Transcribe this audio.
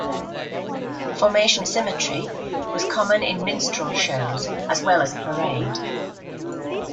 Formation symmetry was common in minstrel shows, as well as parade.